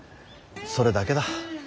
それだけだ。